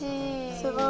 すごい。